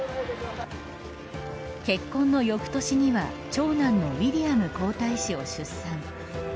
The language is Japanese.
結婚の翌年には長男のウィリアム皇太子を出産。